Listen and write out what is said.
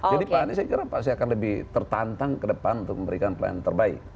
jadi pak anies saya kira pasti akan lebih tertantang ke depan untuk memberikan pelayanan terbaik